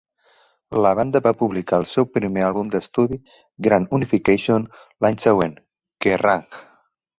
La banda va publicar el seu primer àlbum d'estudi "Grand Unification" l'any següent, Kerrang!